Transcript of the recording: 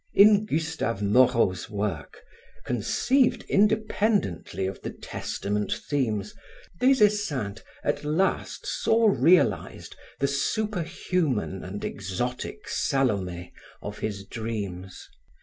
In Gustave Moreau's work, conceived independently of the Testament themes, Des Esseintes as last saw realized the superhuman and exotic Salome of his dreams.